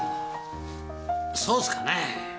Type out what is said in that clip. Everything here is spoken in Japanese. そうっすかねぇ？